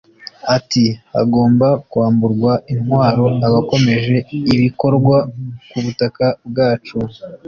Ati “ Hagomba kwamburwa intwaro abakomeje ibikorwa ku butaka bwacu